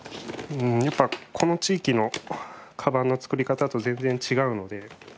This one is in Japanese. うーんやっぱこの地域のカバンの作り方と全然違うので。